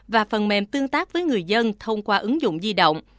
và phần mềm tương tác với người dân thông qua ứng dụng di động